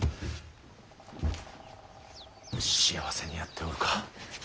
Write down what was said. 幸せにやっておるか。